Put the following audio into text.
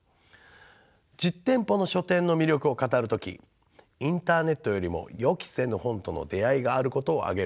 実店舗の書店の魅力を語る時インターネットよりも予期せぬ本との出会いがあることを挙げる